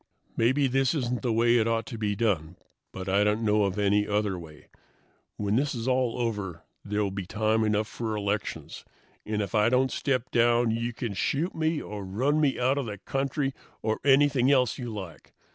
"Maybe this isn't the way it ought to be done, but I don't know any other way. When this is all over there will be time enough for elections, and if I don't step down you can shoot me or run me out of the country or anything else you like.